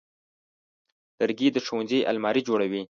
لرګی د ښوونځي المارۍ جوړوي.